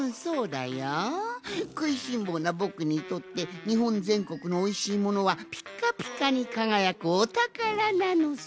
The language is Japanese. ぼくにとってにほんぜんこくのおいしいものはピッカピカにかがやくお宝なのさ！